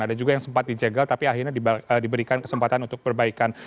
ada juga yang sempat dijegal tapi akhirnya diberikan kesempatan untuk perbaikan